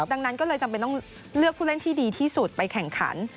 ดังนั้นก็เลยจำเป็นต้องเลือกผู้เล่นที่ดีที่สุดไปแข่งขัน